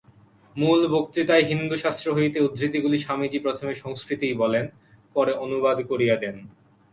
মূল বক্তৃতায় হিন্দুশাস্ত্র হইতে উদ্ধৃতিগুলি স্বামীজী প্রথমে সংস্কৃতেই বলেন, পরে অনুবাদ করিয়া দেন।